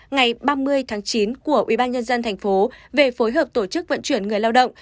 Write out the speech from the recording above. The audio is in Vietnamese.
ngày ba mươi tháng chín của ubnd tp về phối hợp tổ chức vận chuyển người lao động